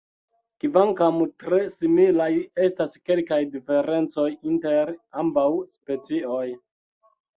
Kvankam tre similaj, estas kelkaj diferencoj inter ambaŭ specioj.